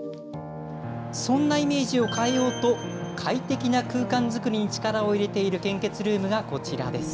そんなイメージを変えようと、快適な空間作りに力を入れている献血ルームがこちらです。